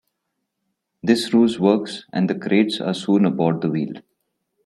This ruse works and the crates are soon aboard the Wheel.